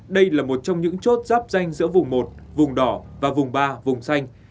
đây là một trong những chốt giáp danh giữa vùng một vùng đỏ và vùng ba vùng xanh